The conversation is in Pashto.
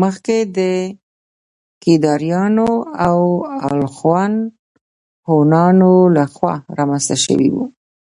مخکې د کيداريانو او الخون هونانو له خوا رامنځته شوي وو